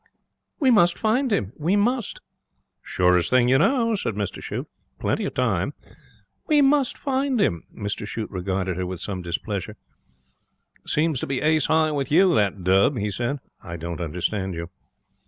'We must find him. We must.' 'Surest thing you know,' said Mr Shute. 'Plenty of time.' 'We must find him.' Mr Shute regarded her with some displeasure. 'Seems to be ace high with you, that dub,' he said. 'I don't understand you.'